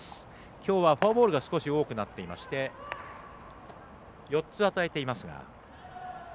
きょうはフォアボールが少し多くなっていまして４つ与えていますが。